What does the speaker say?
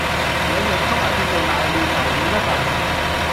兩樣溝埋變做攋尿牛丸吖笨